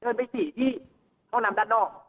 ไปฉี่ที่ห้องน้ำด้านนอก